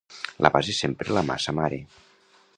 La base és sempre la massa mare.